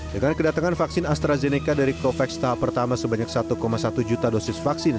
dengan kedatangan vaksin astrazeneca dari covax tahap pertama sebanyak satu satu juta dosis vaksin